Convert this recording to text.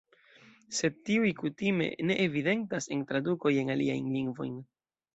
Sed tiuj kutime ne evidentas en tradukoj en aliajn lingvojn.